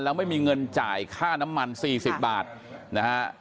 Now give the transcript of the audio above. แล้วไม่มีเงินจ่ายค่าน้ำมัน๔๐บาทนะฮะ